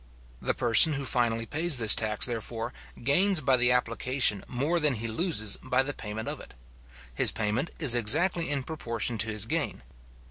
The person who finally pays this tax, therefore, gains by the application more than he loses by the payment of it. His payment is exactly in proportion to his gain.